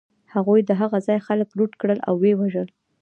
هغوی د هغه ځای خلک لوټ کړل او و یې وژل